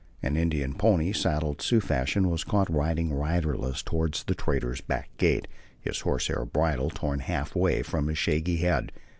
An Indian pony, saddled Sioux fashion, was caught running, riderless, toward the trader's back gate, his horsehair bridle torn half way from his shaggy head.